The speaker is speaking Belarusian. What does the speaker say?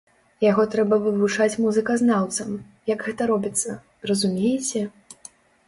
Яго трэба вывучаць музыказнаўцам, як гэта робіцца, разумееце?